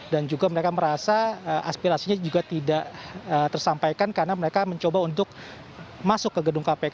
dan juga mereka merasa aspirasinya juga tidak tersampaikan karena mereka mencoba untuk masuk ke gedung kpk